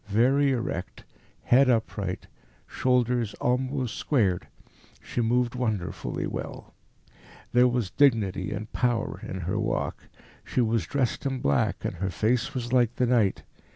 Very erect, head upright, shoulders almost squared, she moved wonderfully well; there was dignity and power in her walk. She was dressed in black, and her face was like the night.